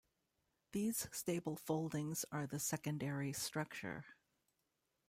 These stable foldings are the secondary structure.